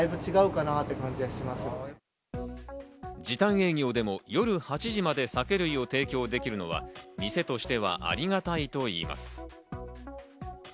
時短営業でも夜８時まで酒類を提供できるのは、店としてはありがたいと言います。